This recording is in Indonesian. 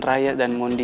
raya dan mondi